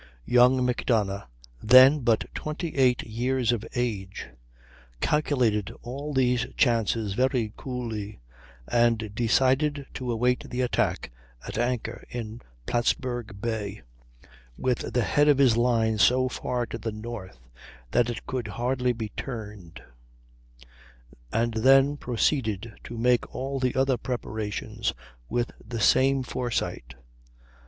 Young Macdonough (then but 28 years of age) calculated all these chances very coolly and decided to await the attack at anchor in Plattsburg Bay, with the head of his line so far to the north that it could hardly be turned; and then proceeded to make all the other preparations with the same foresight.